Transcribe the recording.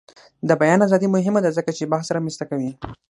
د بیان ازادي مهمه ده ځکه چې بحث رامنځته کوي.